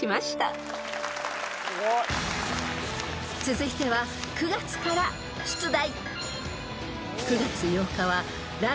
［続いては９月から出題］